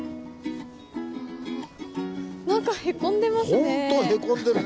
なんかへこんでますね。